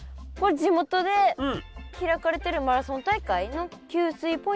地元で開かれてるマラソン大会の給水ポイントの様子。